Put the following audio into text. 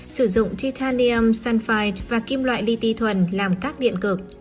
sử dụng titanium sulfide và kim loại li ti thuần làm các điện cực